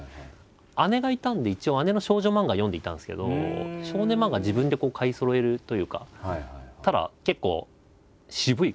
姉がいたんで一応姉の少女漫画は読んでいたんですけど少年漫画は自分で買いそろえるというか。